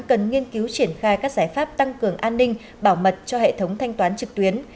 cần nghiên cứu triển khai các giải pháp tăng cường an ninh bảo mật cho hệ thống thanh toán trực tuyến